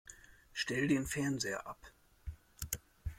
Stell den Fernseher ab!